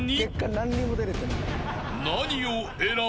［何を選ぶ？］